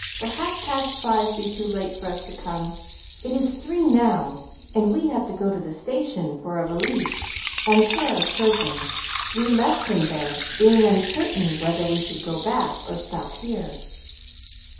Will half past five be too late for us to come? It is three now, and we have to go to the station for our valise and for our children. We left them there, being uncertain whether we should go back or stop here."